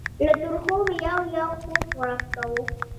له ترخو مې یو یو خوږ غړپ کاوه.